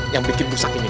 yang bikin busak ini